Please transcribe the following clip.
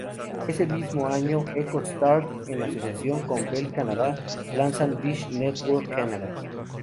Ese mismo año, EchoStar, en asociación con Bell Canada lanzan Dish Network Canada.